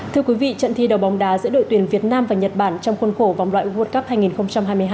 thưa quý vị trận thi đầu bóng đá giữa đội tuyển việt nam và nhật bản trong khuôn khổ vòng loại world cup hai nghìn hai mươi hai